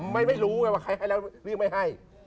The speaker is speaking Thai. ไม่รู้เลยว่าใครให้แล้วก็ไม่ให้